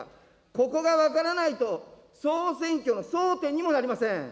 ここが分からないと、総選挙の争点にもなりません。